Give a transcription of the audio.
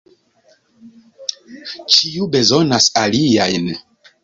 Ĉiu bezonas aliajn.